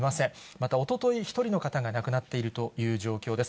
またおととい、１人の方が亡くなっているという状況です。